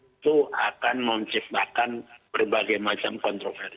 itu akan menciptakan berbagai macam kontroversi